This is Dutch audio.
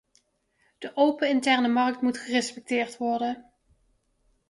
De open interne markt moet gerespecteerd worden.